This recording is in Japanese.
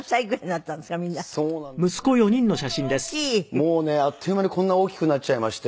もうねあっという間にこんな大きくなっちゃいまして。